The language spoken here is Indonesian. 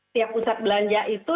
siap pusat belanja itu